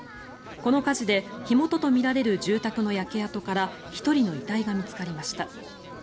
この火事で火元とみられる住宅の焼け跡から１人の遺体が見つかりました。